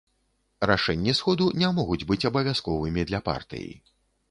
Рашэнні сходу не могуць быць абавязковымі для партыі.